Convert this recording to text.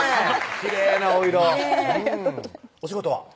きれいなお色お仕事は？